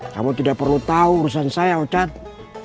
kamu tidak perlu tahu urusan saya ustadz